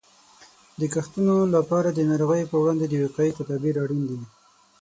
د کښتونو لپاره د ناروغیو په وړاندې د وقایې تدابیر اړین دي.